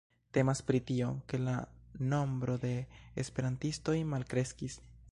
Temas pri tio, ke la nombro de esperantistoj malkreskis.